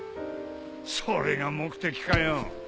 それが目的かよ。